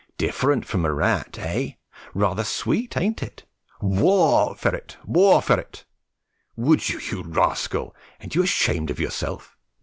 Different from a rat, eh? Rather sweet, ain't it? War ferret, war ferret! Would you, you rascal? Ain't you ashamed of yourself?